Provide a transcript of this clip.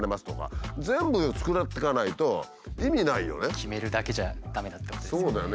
決めるだけじゃ駄目だってことですよね。